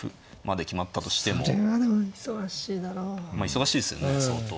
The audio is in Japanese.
忙しいですよね相当。